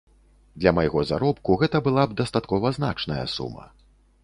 Для майго заробку гэта была б дастаткова значная сума.